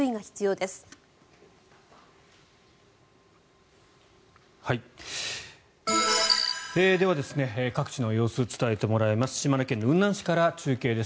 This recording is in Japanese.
では、各地の様子伝えてもらいます。